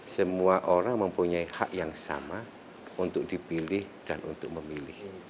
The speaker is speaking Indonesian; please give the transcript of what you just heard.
semua orang mempunyai hak yang sama untuk dipilih dan untuk memilih